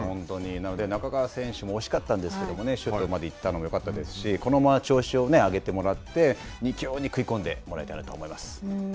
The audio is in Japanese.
なので、仲川選手も惜しかったんですけど、シュートまで行ったのがよかったですし、このまま調子を上げてもらって、２強に食い込んでもらいたいなと思います。